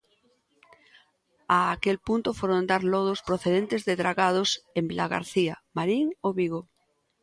A aquel punto foron dar lodos procedentes de dragados en Vilagarcía, Marín ou Vigo.